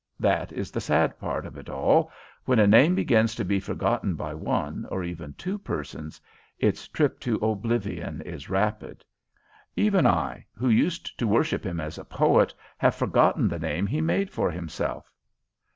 That is the sad part of it all. When a name begins to be forgotten by one, or even two persons, its trip to oblivion is rapid. Even I, who used to worship him as a poet, have forgotten the name he made for himself."